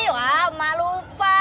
wah ma lupa